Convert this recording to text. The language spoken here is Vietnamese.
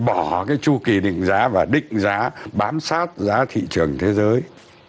bỏ cái chu kỳ định giá và định giá bám sát giá thị trường thế giới